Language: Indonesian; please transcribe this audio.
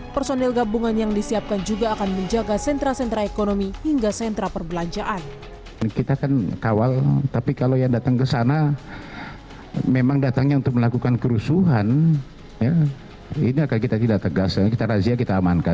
personil gabungan yang disiapkan juga akan menjaga sentra sentra ekonomi hingga sentra perbelanjaan